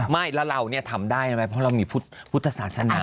ไม่แล้วเราทำได้ใช่ไหมเพราะเรามีพุทธศาสนา